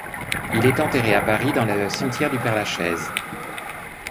Il est enterré à Paris dans la du cimetière du Père-Lachaise.